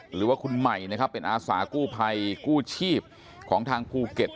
หรือว่าคุณใหม่นะครับเป็นอาสากู้ภัยกู้ชีพของทางภูเก็ต